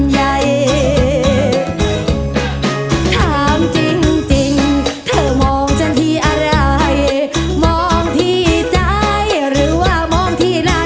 จะจะเห็นฉันเป็นคนบานนอกคอบหน้า